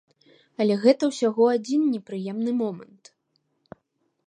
Але гэта ўсяго адзін непрыемны момант.